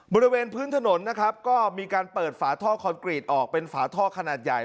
บริเวณพื้นถนนนะครับก็มีการเปิดฝาท่อคอนกรีตออกเป็นฝาท่อขนาดใหญ่